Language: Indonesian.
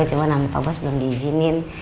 cuma nama pak bos belum diizinin